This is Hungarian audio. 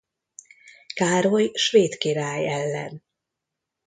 Károly svéd király ellen.